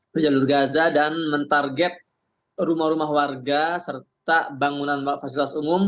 ke jalur gaza dan mentarget rumah rumah warga serta bangunan fasilitas umum